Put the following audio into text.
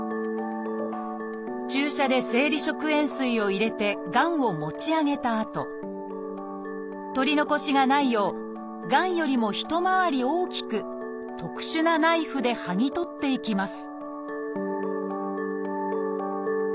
注射で生理食塩水を入れてがんを持ち上げたあと取り残しがないようがんよりも一回り大きく特殊なナイフではぎ取っていきます